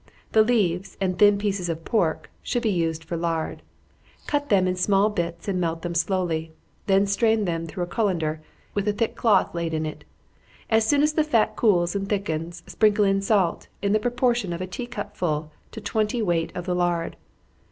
The leaves, and thin pieces of pork, should be used for lard. Cut them in small bits, and melt them slowly; then strain them through a cullender, with a thick cloth laid in it. As soon as the fat cools and thickens, sprinkle in salt, in the proportion of a tea cup full to twenty weight of the lard.